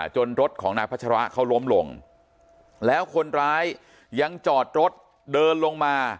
รถของนายพัชระเขาล้มลงแล้วคนร้ายยังจอดรถเดินลงมา